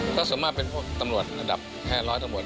ก็ส่วนมากเป็นพวกตำรวจระดับ๕๐๐ตำรวจ